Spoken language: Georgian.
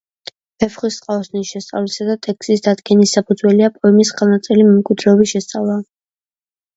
ვეფხისტყაოსნის შესწავლისა და ტექსტის დადგენის საფუძველია პოემის ხელნაწერი მემკვიდრეობის შესწავლა.